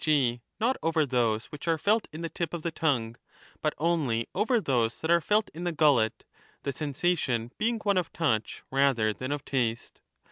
g. not over those which are felt in the tip of the tongue, but only over those that are felt in the gullet, the sensation being one of 15 touch rather than of taste.